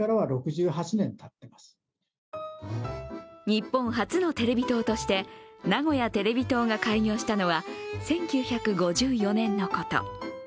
日本初のテレビ塔として名古屋テレビ塔が開業したのは１９５４年のこと。